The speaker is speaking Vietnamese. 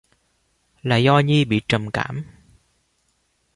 Là do Nhi bị trầm cảm